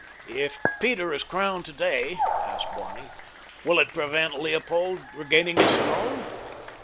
"If Peter is crowned today," asked Barney, "will it prevent Leopold regaining his throne?"